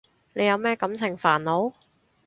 你有咩感情煩惱？